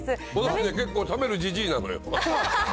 俺ね、結構食べるじじいなのよ。